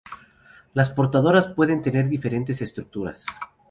Las portadoras pueden tener diferentes estructuras.